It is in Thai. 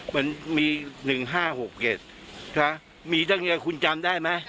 มันมี๑๕๖๗มีตั้งเยอะคุณจำได้ไหม